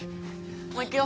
もう行くよ。